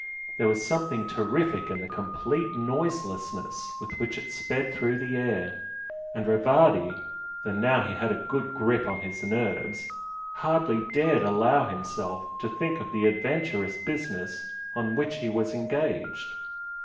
There was something terrific in the complete noiselessness with which it sped through the air, and Rivardi, though now he had a good grip on his nerves, hardly dared allow himself to think of the adventurous business on which he was engaged.